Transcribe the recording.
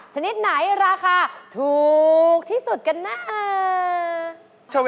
ชนิดไหนราคาถูกที่สุดกันนะ